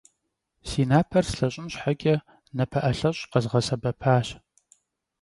Si naper slheş'ın şheç'e nape'elheş' khezğesebepaş.